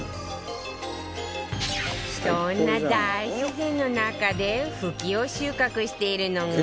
そんな大自然の中でフキを収穫しているのが